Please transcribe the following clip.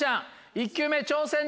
１球目挑戦です。